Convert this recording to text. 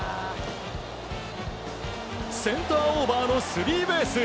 センターオーバーのスリーベース。